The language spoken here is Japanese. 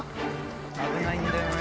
危ないんだよね